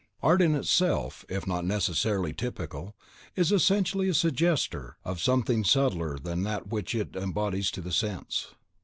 Art in itself, if not necessarily typical, is essentially a suggester of something subtler than that which it embodies to the sense.